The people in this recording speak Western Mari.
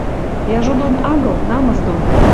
Яжо дон агыл, намыс дон.